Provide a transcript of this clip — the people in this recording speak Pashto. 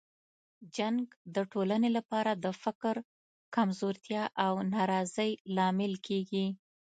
جنګ د ټولنې لپاره د فقر، کمزورتیا او ناراضۍ لامل کیږي.